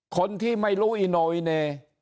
คนที่ไม่รู้อิโนอิเน